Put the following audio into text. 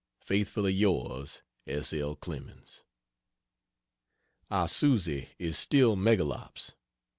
Faithfully yours, S. L. CLEMENS. Our Susie is still "Megalops."